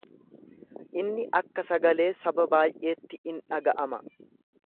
Inni akka sagalee saba baay’eetti in dhaga’ama.